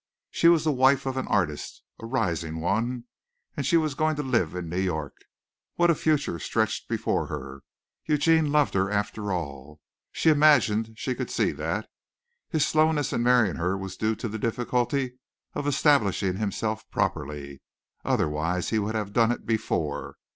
She was the wife of an artist a rising one, and she was going to live in New York. What a future stretched before her! Eugene loved her after all. She imagined she could see that. His slowness in marrying her was due to the difficulty of establishing himself properly. Otherwise he would have done it before.